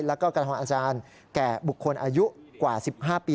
แล้วก็กระทำอาจารย์แก่บุคคลอายุกว่า๑๕ปี